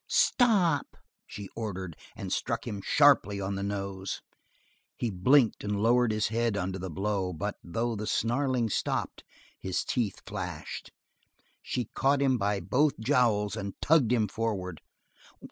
"Stop!" she ordered, and struck him sharply on the nose. He blinked and lowered his head under the blow, but though the snarling stopped his teeth flashed. She caught him by both jowls and tugged him forward.